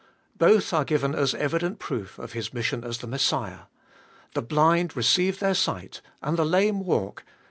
Both are given as evident proof of JTis mission as the Messiah; "The blind receive their eight and the lame walk